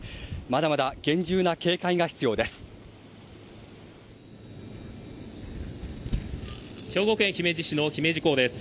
まだまだ厳重な警戒が必要です。